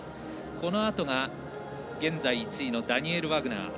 このあとが、現在１位のダニエル・ワグナー。